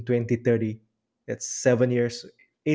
tujuh delapan tahun dari sekarang